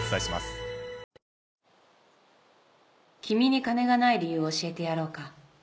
「君に金がない理由を教えてやろうか？」